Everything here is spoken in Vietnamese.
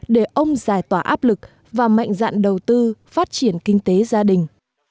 để ông giải tỏa áp lực và mạnh dạn đầu tư phát triển kinh tế gia đình